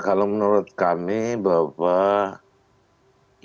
kalau menurut kami bapak